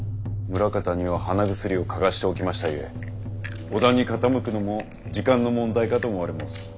ムラカタには鼻薬をかがしておきましたゆえ小田に傾くのも時間の問題かと思われ申す。